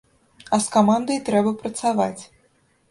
А з камандай трэба працаваць.